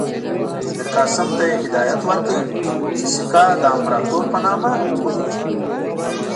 میرقاسم ته یې هدایت ورکړ چې سکه د امپراطور په نامه ووهي.